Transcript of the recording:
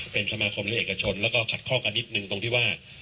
เป็นสมาคมและเอกชนแล้วก็ขัดข้อกันนิดนึงตรงที่ว่า